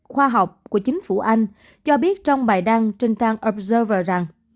khoa học của chính phủ anh cho biết trong bài đăng trên trang ofer rằng